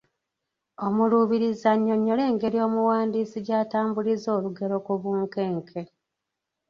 Omuluubirizi annyonnyole engeri omuwandiisi gy’atambuliza olugero ku bunkenke.